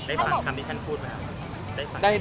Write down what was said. ได้ฟังคำที่ท่านพูดไหมครับ